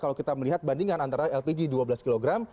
kalau kita melihat bandingan antara lpg dua belas kg